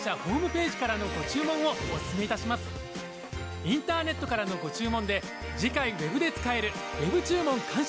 インターネットからのご注文で次回ウェブで使えるウェブ注文感謝